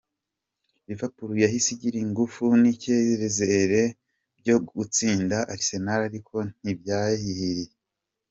Liverpool yahise igira ingufu n'icyizere byo gutsinda Arsenal ariko ntibyayihiriye.